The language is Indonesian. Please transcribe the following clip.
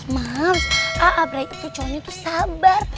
mam abraik itu cowoknya sabar